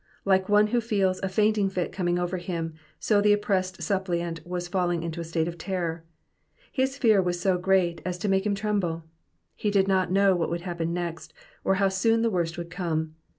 Like one who feels a fainting fit coming oirer him, so the oppressed suppliant was falling into a state of terror. His fear was so great as to make him tremble. He did not know what would happen next, or how soon the worst would come.